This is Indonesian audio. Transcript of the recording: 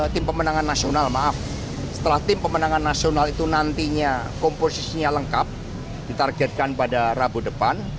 sementara itu sekretaris jenderal pdi perjuangan hasto kristianto menyatakan partainya bakal membahas peluang pertempuran